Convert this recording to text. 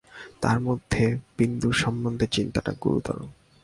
তার মধ্যে বিন্দুর সম্বন্ধে চিন্তাটা গুরুতর।